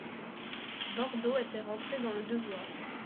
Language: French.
Bordeaux était rentré dans le devoir.